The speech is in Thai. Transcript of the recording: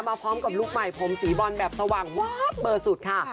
มาพร้อมกับลูกใหม่ผมสีบอลแบบสว่างวาบเบอร์สุดค่ะ